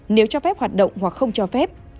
nếu cho phép hoạt động hoặc không cho phép